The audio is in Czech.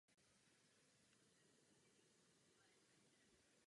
Skaliska jsou předmětem sporu mezi Jižní Koreou a Čínou.